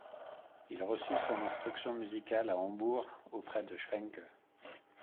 Il reçut son instruction musicale à Hambourg auprès de Schwencke.